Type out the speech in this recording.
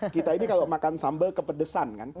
kita ini kalau makan sambal kepedesan kan